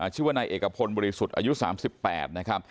ชื่อว่านายเอกพลบริสุทธิ์อายุ๓๘นะครับ